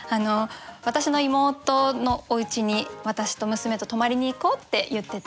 私の妹のおうちに私と娘と泊まりに行こうって言ってて。